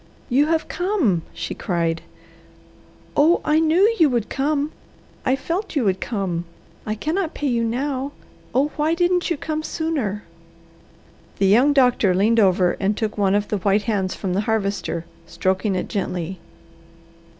"You have come!" she cried. "Oh I knew you would come! I felt you would come! I cannot pay you now! Oh why didn't you come sooner?" The young doctor leaned over and took one of the white hands from the Harvester, stroking it gently.